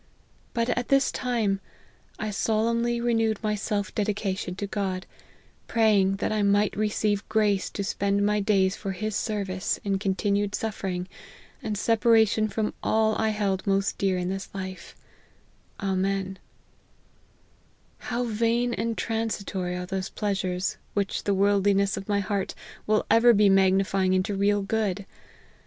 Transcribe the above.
But, at this time, I solemnly renewed my self dedication to God, pray ing that I might receive grace to spend my days for his service, in continued suffering, and separa tion from all I held most dear in this life : Amen How vain and transitory are those pleasures which the worldliness of my heart will ever be magnifying into real good